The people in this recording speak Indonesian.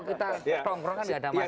kita nongkrong kan tidak ada masalah